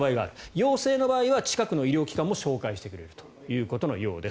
陽性の場合は近くの医療機関も紹介してくれるということのようです。